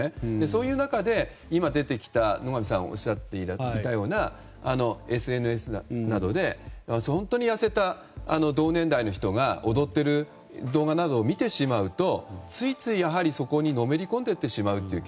そういう中で今出てきた、野上さんがおっしゃっていたようなＳＮＳなどで本当に痩せた同年代の人が踊っている動画などを見てしまうとついつい、そこにのめり込んでしまうという